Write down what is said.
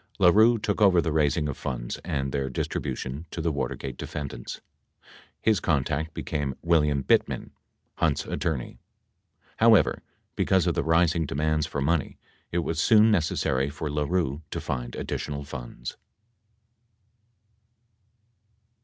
98 LaRue took over the raising of funds and their distribution to the TV atergate defendants. His contact became William Bittman, Hunt's attorney. 99 However, because of the rising demands for money, it was soon necessary for LaRue to find additional funds.